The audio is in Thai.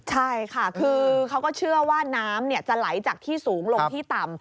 ใช่ค่ะคือเขาก็เชื่อว่าน้ำจะไหลจากที่สูงลงที่ต่ำ